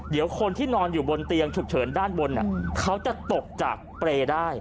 เดี๋ยวคนที่นอนอยู่บนเตียงฉุกเฉินด้านบนเขาจะตกจากเปรย์ได้